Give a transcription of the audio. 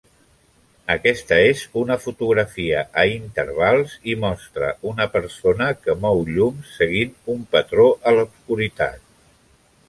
Aquesta és una fotografia a intervals i mostra una persona que mou llums seguint un patró a l'obscuritat